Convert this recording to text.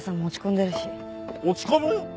落ち込む？